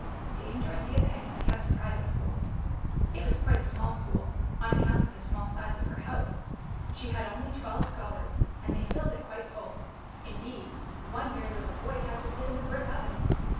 D ame Dorothea penny kept a private school. It was quite a small school, on account of the small size of her house. She had only twelve scholars, and they filled it quite full ; indeed one very little hoy had to sit in the hrick oven.